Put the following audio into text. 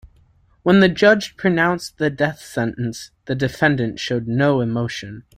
When the judge pronounced the death sentence, the defendant showed no emotion.